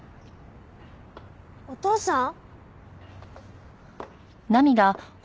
お父さん？